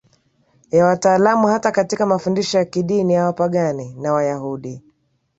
ya wataalamu hata katika mafundisho ya kidini ya Wapagani na Wayahudi